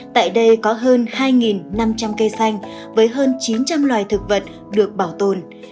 tại đây có hơn hai năm trăm linh cây xanh với hơn chín trăm linh loài thực vật được bảo tồn